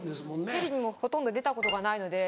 テレビもほとんど出たことがないので。